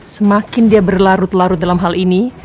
semakin dia berlarut larut dalam hal ini